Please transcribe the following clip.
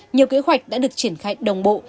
nhiều kế hoạch đã được triển khai đồng bộ